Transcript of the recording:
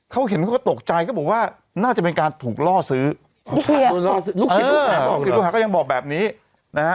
เขาเห็นเขาก็ตกใจก็บอกว่าน่าจะเป็นการถูกล่อซื้อลูกศิษย์ลูกหาบอกคือลูกหาก็ยังบอกแบบนี้นะฮะ